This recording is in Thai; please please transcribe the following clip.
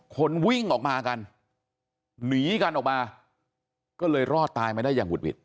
คนวิ่งออกมากันหนีกันออกมาก็เลยรอดตายมาได้อย่างหุดหวิด